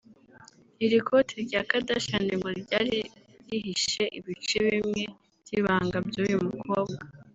Iri kote rya Kardashian ngo ryari rihishe ibice bimwe by’ibanga by’uyu mukobwa